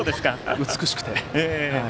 美しくて。